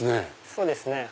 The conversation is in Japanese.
そうですね。